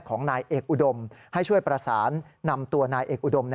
ของนายเอกอุดมให้ช่วยประสานนำตัวนายเอกอุดม